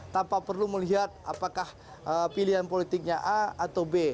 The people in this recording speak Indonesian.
tanpa perlu melihat apakah pilihan politiknya a atau b